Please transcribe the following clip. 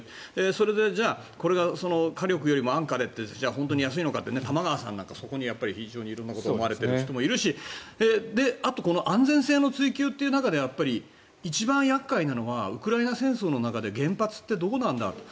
それでじゃあこれが火力よりも安価でと本当に安いのかなって玉川さんとか、非常にそこに思われている人もいるしあと安全性の追求という中で一番厄介なのはウクライナ戦争の中で原発ってどうなんだと。